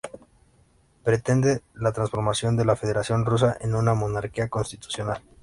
Pretende la transformación de la Federación Rusa en una monarquía constitucional.